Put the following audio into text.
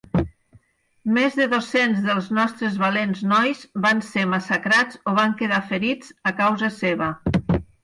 Més de dos-cents dels nostres valents nois van ser massacrats o van quedar ferits a causa seva.